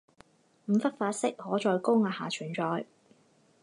五氟化铯可在高压下存在。